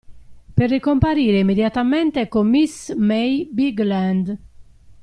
Per ricomparire immediatamente con miss May Bigland.